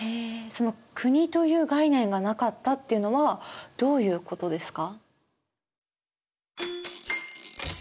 その国という概念がなかったっていうのはどういうことですか？